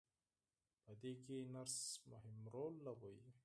په دې کې نرس مهم رول لوبوي.